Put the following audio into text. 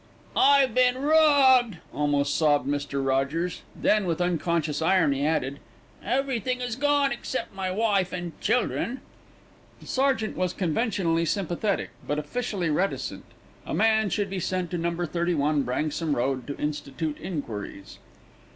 "I have been robbed," almost sobbed Mr. Rogers; then with unconscious irony added, "Everything has gone, except my wife and children." The sergeant was conventionally sympathetic, but officially reticent. A man should be sent to No. 131 Branksome Road, to institute enquiries.